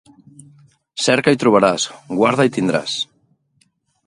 Cerca i trobaràs, guarda i tindràs.